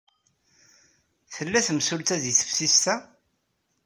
Tella temsulta deg teftist-a?